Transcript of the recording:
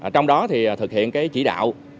trong đó thì thực hiện cái chỉ đạo